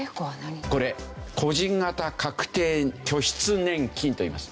これ個人型確定拠出年金といいます。